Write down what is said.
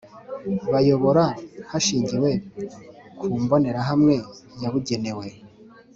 bayobora hashingiwe ku mbonerahamwe yabugenewe